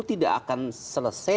tidak akan selesai